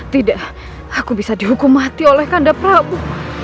tidak aku bisa dihukum mati oleh kanda prabu